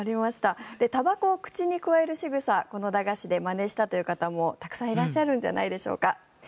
煙草を口にくわえるしぐさこの駄菓子でまねしたという方もたくさんいらっしゃるんじゃないでしょうか。